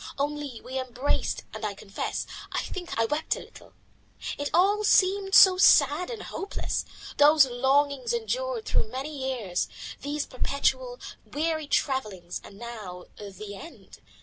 Only we embraced, and I confess, I think I wept a little. It all seemed so sad and hopeless, these longings endured through many years, these perpetual, weary travellings, and now the end.